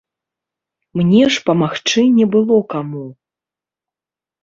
Мне ж памагчы не было каму.